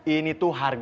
ini tuh hal yang